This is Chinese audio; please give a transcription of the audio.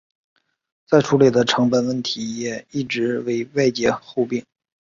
再处理的成本问题也一直为外界诟病。